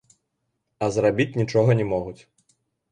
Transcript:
А зрабіць нічога не могуць.